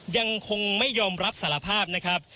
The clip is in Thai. ยังคงไม่ยอมรับสารภาพนะครับ